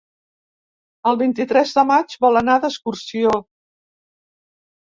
El vint-i-tres de maig vol anar d'excursió.